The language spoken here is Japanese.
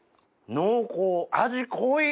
濃厚味濃い！